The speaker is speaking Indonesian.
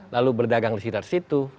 lalu berdagang di sekitar situ